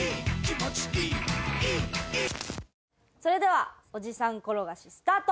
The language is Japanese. それではおじさん転がしスタート！